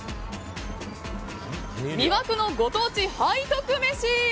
魅惑のご当地背徳めし！